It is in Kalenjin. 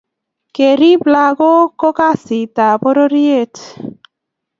kerip lakook ko kasit ab pororiet